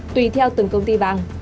tùy theo từng công ty vàng